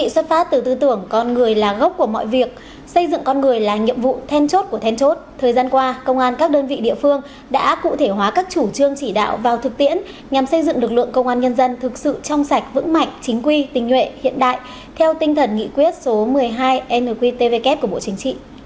phát từ tư tưởng con người là gốc của mọi việc xây dựng con người là nhiệm vụ then chốt của then chốt thời gian qua công an các đơn vị địa phương đã cụ thể hóa các chủ trương chỉ đạo vào thực tiễn nhằm xây dựng lực lượng công an nhân dân thực sự trong sạch vững mạnh chính quy tình nguyện hiện đại theo tinh thần nghị quyết số một mươi hai nqtvk của bộ chính trị